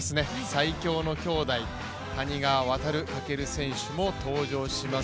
最強の兄弟、谷川航・翔選手も登場します。